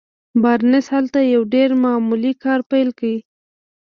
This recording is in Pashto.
بارنس هلته يو ډېر معمولي کار پيل کړ.